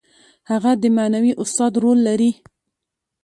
هغه د معنوي استاد رول لري.